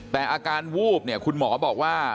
แต่อาการวูบเนี่ยคุณหมอบอกว่า